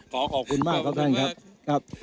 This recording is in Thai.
ขอขอบคุณมากครับท่านครับครับ